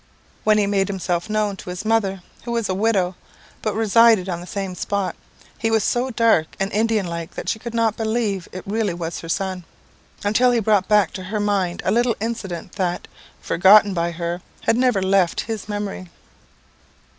"When he made himself known to his mother, who was a widow, but resided on the same spot, he was so dark and Indian like that she could not believe that it was really her son, until he brought back to her mind a little incident that, forgotten by her, had never left his memory.